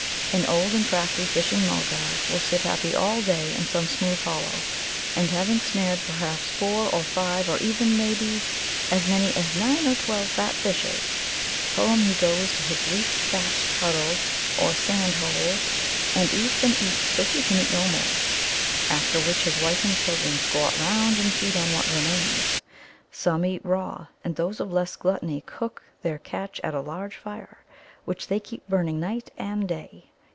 An old and crafty Fishing mulgar will sit happy all day in some smooth hollow, and, having snared perhaps four or five, or even, maybe, as many as nine or twelve fat fishes, home he goes to his leaf thatched huddle or sand hole, and eats and eats till he can eat no more. After which his wife and children squat round and feed on what remains. Some eat raw, and those of less gluttony cook their catch at a large fire, which they keep burning night and day.